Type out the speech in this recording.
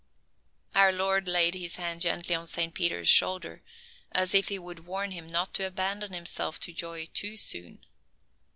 Our Lord laid His hand gently on Saint Peter's shoulder, as if He would warn him not to abandon himself to joy too soon.